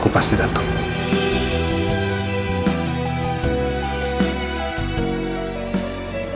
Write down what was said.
aku pasti datang